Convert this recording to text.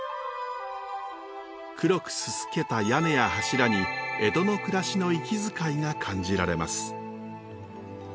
黒くすすけた屋根や柱に江戸の暮らしの息遣いが感じられます。